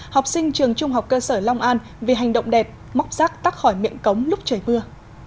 học sinh trường trung học cơ sở long an vì hành động đẹp móc rác tắt khỏi miệng cống lúc trời mưa